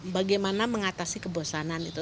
bagaimana mengatasi kebosanan itu